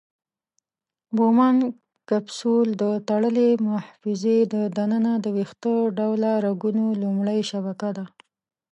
بومن کپسول د تړلې محفظې د ننه د ویښته ډوله رګونو لومړۍ شبکه ده.